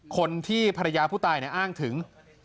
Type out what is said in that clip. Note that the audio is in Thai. คนที่ภรรยาผู้ตายอ้างถึง